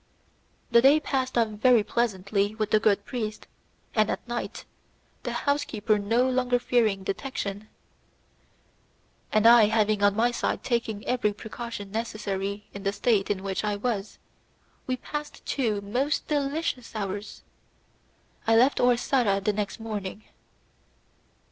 The day passed off very pleasantly with the good priest, and at night, the house keeper no longer fearing detection, and I having on my side taken every precaution necessary in the state in which I was, we passed two most delicious hours. I left Orsara the next morning.